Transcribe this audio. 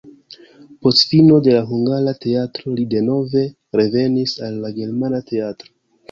Post fino de la hungara teatro li denove revenis al la germana teatro.